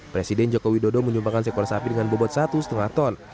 presiden joko widodo menyumbangkan sekor sapi dengan bobot satu lima ton